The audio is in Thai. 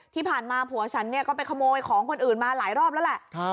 ที่ผ่านมาผัวฉันเนี่ยก็ไปขโมยของคนอื่นมาหลายรอบแล้วแหละ